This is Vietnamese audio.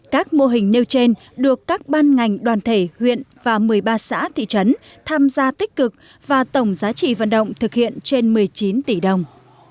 các mô hình nêu trên được các ban ngành đoàn thể huyện và một mươi ba xã thị trấn tham gia tích cực và tổng giá trị vận động thực hiện trên một mươi chín tỷ đồng